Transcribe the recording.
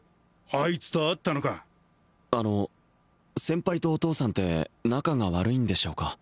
あいつと会ったのかあの先輩とお父さんって仲が悪いんでしょうか？